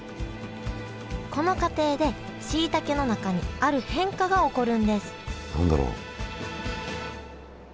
この過程でしいたけの中にある変化が起こるんです何だろう？